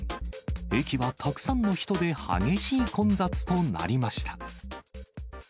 駅はたくさんの人で激しい混雑となりました。